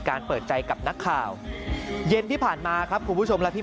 เปิดใจกับนักข่าวเย็นที่ผ่านมาครับคุณผู้ชมและพี่